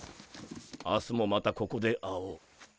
明日もまたここで会おう。